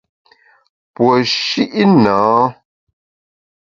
Puo shi’ nâ.